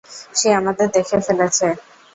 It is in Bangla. সে আমাদের দেখে ফেলেছে।